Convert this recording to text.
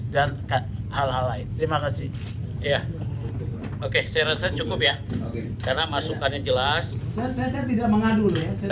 dan hal hal lain terima kasih ya oke serasa cukup ya karena masukannya jelas tidak mengadu